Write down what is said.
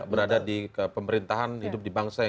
berada di pemerintahan hidup di bangsa yang